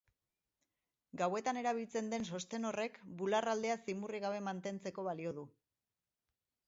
Gauetan erabiltzen den sosten honek bular aldea zimurrik gabe mantentzeko balio du.